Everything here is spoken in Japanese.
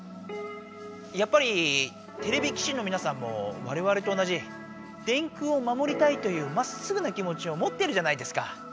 やっぱりてれび騎士のみなさんもわれわれと同じ「電空をまもりたい」というまっすぐな気もちをもってるじゃないですか。